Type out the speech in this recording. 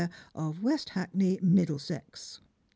of West Hackney, Middlesex.'